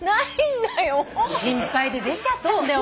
心配で出ちゃったんだよ